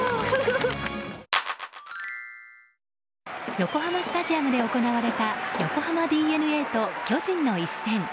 横浜スタジアムで行われた横浜ＤｅＮＡと巨人の一戦。